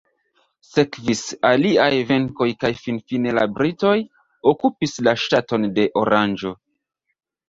Sekvis aliaj venkoj kaj finfine la britoj okupis la ŝtaton de Oranĝo.